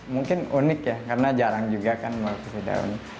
mungkin unik ya karena jarang juga kan melukis daun